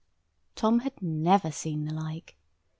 Tom had never seen the like.